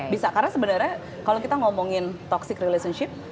bisa karena sebenarnya kalau kita ngomongin toxic relationship